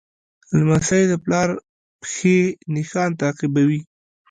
لمسی د پلار پښې نښان تعقیبوي.